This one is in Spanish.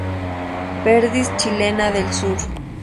Perdiz chilena del sur